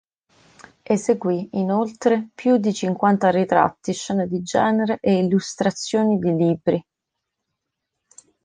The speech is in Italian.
Eseguì, inoltre, più di cinquanta ritratti, scene di genere e illustrazioni di libri.